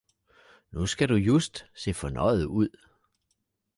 Nu skal du just se fornøjet ud!